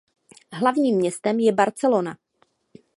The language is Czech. Hlavním městem je Barcelona.